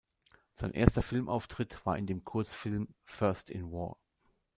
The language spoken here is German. Sein erster Filmauftritt war in dem Kurzfilm "First in War".